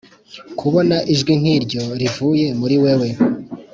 kubona ijwi nkiryo rivuye muri wewe,